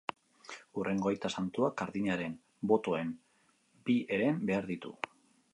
Hurrengo aita santuak kardinalen botoen bi heren behar ditu.